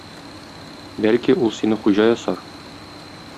Бәлки, ул сине хуҗа ясар?